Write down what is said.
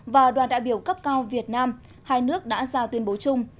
và đoàn đại biểu cấp cao việt nam hai nước đã ra tuyên bố chung